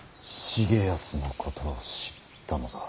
重保のことを知ったのだ。